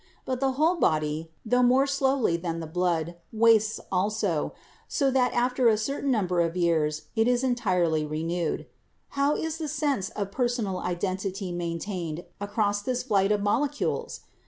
But the whole body, tho more slowly than the blood, wastes also, so that after a certain number of years it is entirely re newed. How is the sense of personal identity maintained across this flight of molecules